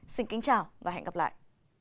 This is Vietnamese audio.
xin kính chào và hẹn gặp lại